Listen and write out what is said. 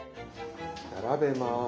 並べます。